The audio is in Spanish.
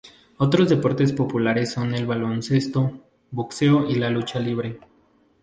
Otros deportes populares son el baloncesto, boxeo y la lucha libre.